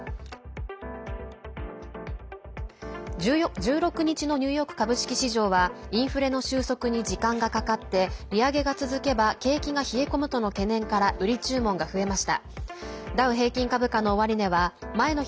１６日のニューヨーク株式市場はインフレの収束に時間がかかって利上げが続けば景気が冷え込むとの懸念から売り注文が増えました。